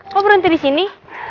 kok berenti disini